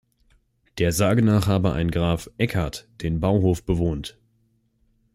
Der Sage nach habe ein Graf "Eckhard" den "Bauhof" bewohnt.